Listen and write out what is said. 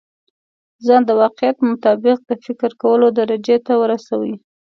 ځان د واقعيت مطابق د فکر کولو درجې ته ورسوي.